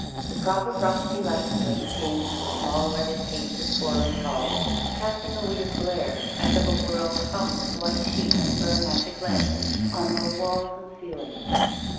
The proper frosty light blinked in at the small leaded panes of Swarland Hall, casting a weird glare, as of a world hung with white sheets for a magic lantern, on low walls and ceilings.